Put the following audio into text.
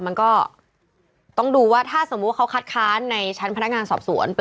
มันก็ต้องดูว่าถ้าสมมุติว่าเขาคัดค้านในชั้นพนักงานสอบสวน